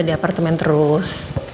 di apartemen terus